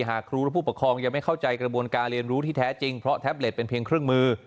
หากครูและผู้ปกครองยังไม่เข้าใจกระบวนการเรียนรู้ที่แท้จริงเพราะแท็บเล็ตเป็นเพียงเครื่องมือ